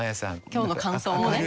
今日の感想もね。